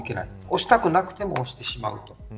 押したくなくても押してしまう。